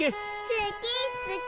すきっすき！